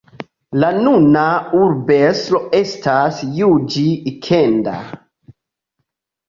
La nuna urbestro estas Juĝi Ikeda.